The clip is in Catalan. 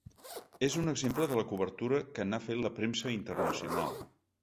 És un exemple de la cobertura que n’ha fet la premsa internacional.